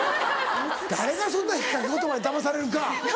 誰がそんな引っ掛け言葉にだまされるか！